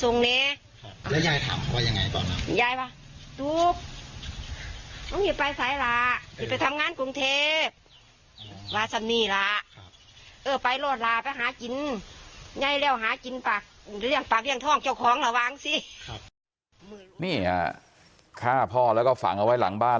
นี่ฆ่าพ่อและฝั่งเอาไว้หลังบ้าน